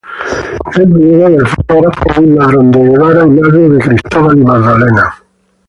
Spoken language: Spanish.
Es viuda del fotógrafo Luis Ladrón de Guevara y madre de Cristóbal y Magdalena.